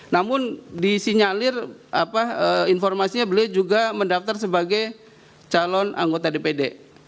namun disinyalir informasinya beliau juga mendaftar sebagai calon anggota dpd